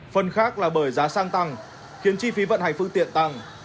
phần khác là bởi giá xăng tăng khiến chi phí vận hành phương tiện tăng